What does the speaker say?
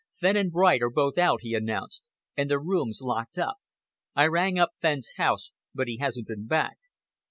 "Fenn and Bright are both out," he announced, "and their rooms locked up. I rang up Fenn's house, but he hasn't been back."